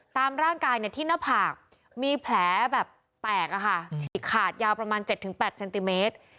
ตามร่างกายที่หน้าผากมีแผลแบบแตกฉีกขาดยาวประมาณ๗๘เซนติเมตร